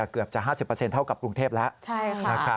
เกือบจะ๕๐เท่ากับกรุงเทพแล้ว